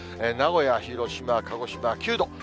名古屋、広島、鹿児島９度。